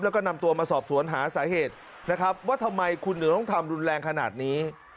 แล้วก็นำตัวมาสอบสวนหาสาเหตุนะครับว่าทำไมคุณถึงต้องทำรุนแรงขนาดนี้